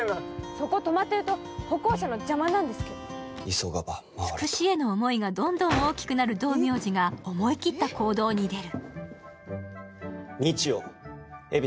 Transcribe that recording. そしてつくしへの思いがどんどん大きくなる道明寺が思い切った行動に出る。